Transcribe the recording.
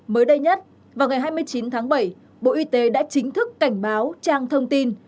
mới đây nhất vào ngày hai mươi chín tháng bảy bộ y tế đã chính thức cảnh báo trang thông tin